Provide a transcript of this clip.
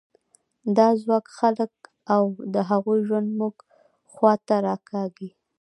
دا ځواک خلک او د هغوی ژوند موږ خوا ته راکاږي.